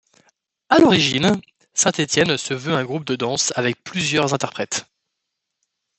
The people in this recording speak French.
À l'origine, Saint Etienne se veut un groupe de dance avec plusieurs interprètes.